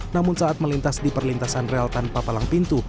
namun saat melintas di perlintasan rel tanpa palang pintu